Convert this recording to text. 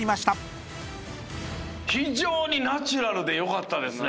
非常にナチュラルで良かったですね。